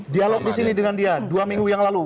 dialog di sini dengan dia dua minggu yang lalu